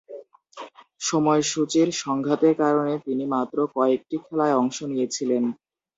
সময়সূচীর সংঘাতের কারণে তিনি মাত্র কয়েকটি খেলায় অংশ নিয়েছিলেন।